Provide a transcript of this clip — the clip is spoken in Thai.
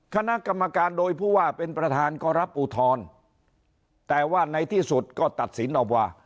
คณะกรรมการโดยผู้ว่าเป็นประธานก็รับอุทธรณ์แต่ว่าในที่สุดก็ตัดสินออกว่า